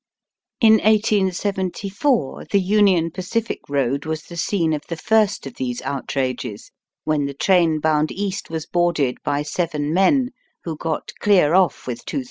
In 1874 the Union Pacific Eoad was the scene of the first of these outrages, when the train bound East was boarded by seven men, who got clear off with ^62000.